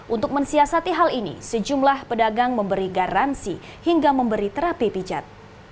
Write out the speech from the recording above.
untuk mensiasati hal ini sejumlah pedagang memberi garansi hingga memberi terapi pijat